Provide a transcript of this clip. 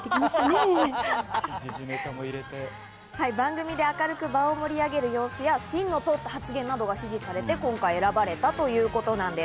番組で明るく場を盛り上げる様子や、芯の通った発言などが支持されて今回、選ばれたということなんです。